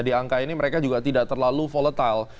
di angka ini mereka juga tidak terlalu volatile